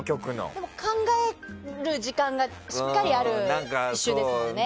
でも考える時間がしっかりありますもんね。